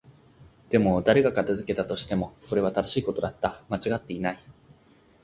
でも、誰が片付けたとしても、それは正しいことだった。間違っていない。